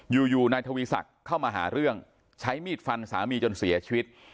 อยู่นายทวีศักดิ์เข้ามาหาเรื่องใช้มีดฟันสามีจนเสียชีวิต